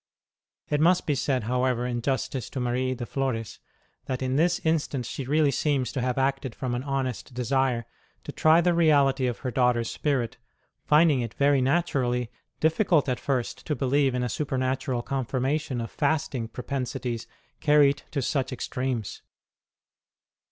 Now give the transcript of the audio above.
It must be said, however, in justice to Marie de Flores, that in this instance 60 ST. ROSE OF LIMA she really seems to have acted from an honest desire to try the reality of her daughter s spirit, rinding it, very naturally, difficult at first to believe in a supernatural confirmation of fasting propensities carried to such extremes.